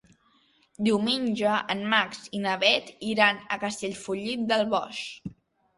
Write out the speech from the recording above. Diumenge en Max i na Bet iran a Castellfollit del Boix.